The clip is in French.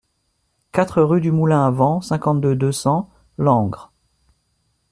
quatre rue du Moulin À Vent, cinquante-deux, deux cents, Langres